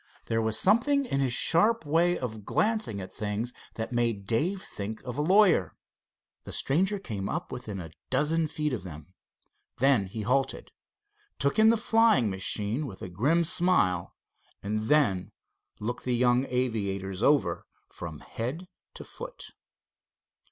There was something in his sharp way of glancing at things that made Dave think of a lawyer. The stranger came up within a dozen feet of them. Then he halted, took in the flying machine with a grim smile, and then looked the young aviators over from head to foot.